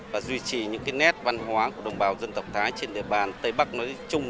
và duy trì những nét văn hóa của đồng bào dân tộc thái trên địa bàn tây bắc nói chung